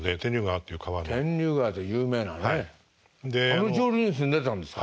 あの上流に住んでたんですか？